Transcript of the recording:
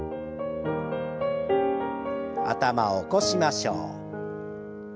頭を起こしましょう。